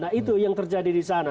nah itu yang terjadi di sana